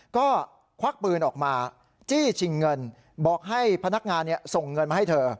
ก็ควักปืนออกมาจี้ชิงเงินบอกให้พนักงานส่งเงินมาให้เธอ